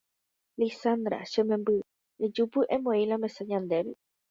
¡Lizandra! che memby ejúpy emoĩ la mesa ñandéve.